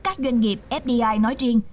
các doanh nghiệp fdi nói riêng